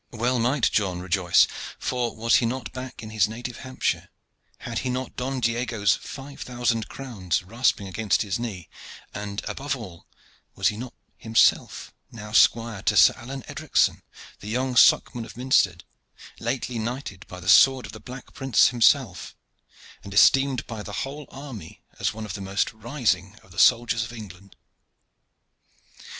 Well might John rejoice, for was he not back in his native Hampshire, had he not Don Diego's five thousand crowns rasping against his knee, and above all was he not himself squire now to Sir Alleyne Edricson, the young Socman of Minstead lately knighted by the sword of the Black Prince himself, and esteemed by the whole army as one of the most rising of the soldiers of England.